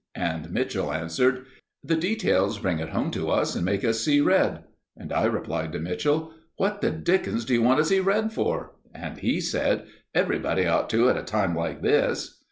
And Mitchell answered "The details bring it home to us and make us see red." And I replied to Mitchell "What the dickens d'you want to see red for?" And he said "Everybody ought to at a time like this."